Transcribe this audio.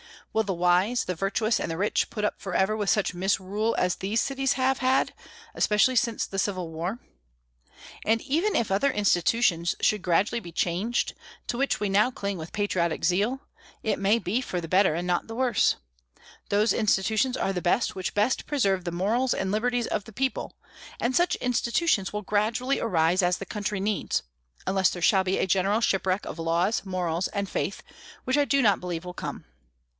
Will the wise, the virtuous, and the rich put up forever with such misrule as these cities have had, especially since the Civil War? And even if other institutions should gradually be changed, to which we now cling with patriotic zeal, it may be for the better and not the worse. Those institutions are the best which best preserve the morals and liberties of the people; and such institutions will gradually arise as the country needs, unless there shall be a general shipwreck of laws, morals, and faith, which I do not believe will come.